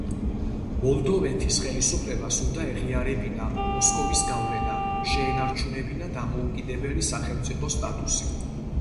მოლდოვეთის ხელისუფლებას უნდა ეღიარებინა მოსკოვის გავლენა, შეენარჩუნებინა დამოუკიდებელი სახელმწიფოს სტატუსი.